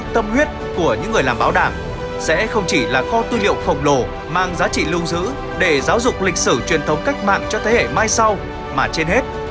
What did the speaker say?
tâm huyết của những người làm báo đảm sẽ không chỉ là kho tư liệu khổng lồ mang giá trị lưu giữ để giáo dục lịch sử truyền thống cách mạng cho thế hệ mai sau mà trên hết